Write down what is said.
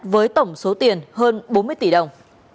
với tổng số tiền hơn bốn mươi tỷ đồng